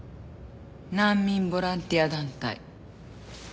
難民ボランティア団体。